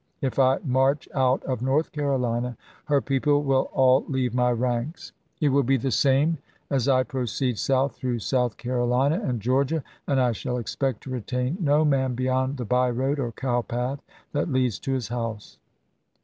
If I march out of North Carolina, her people will all leave my ranks. It will be the same as I proceed south through South Carolina and Georgia, and I shall expect to retain no man beyond the by road or cow path that leads to his house.